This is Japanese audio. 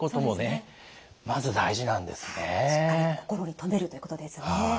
しっかりと心に留めるということですね。